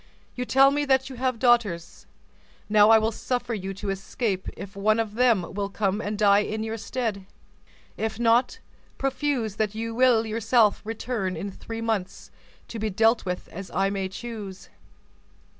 You tell me that you have daughters; now I will suffer you to escape, if one of them will come and die in your stead. If not, profuse that you will yourself return in three months, to be dealt with as I may choose."